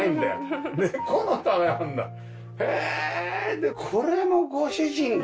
でこれもご主人か？